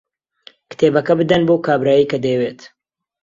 کتێبەکە بدەن بەو کابرایەی کە دەیەوێت.